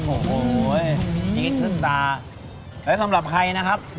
โอ้โหเฮ้ยจริงจริงขึ้นตาแล้วสำหรับใครนะครับ